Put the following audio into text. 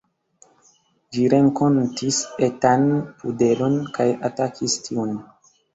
Ĝi renkontis etan pudelon kaj atakis tiun.